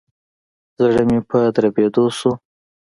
زړه مي په دربېدو شو.